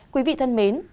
quý vị thân mến